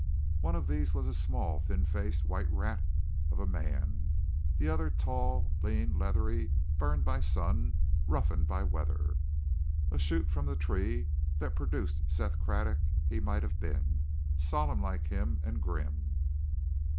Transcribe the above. One of these was a small, thin faced white rat of a man; the other tall, lean, leathery; burned by sun, roughened by weather. A shoot from the tree that produced Seth Craddock he might have been, solemn like him, and grim.